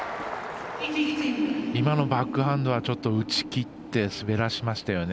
今のバックハンドはちょっと打ち切って滑らせましたよね。